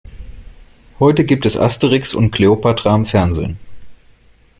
Heute gibt es Asterix und Kleopatra im Fernsehen.